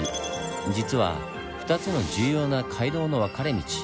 実は２つの重要な街道の分かれ道。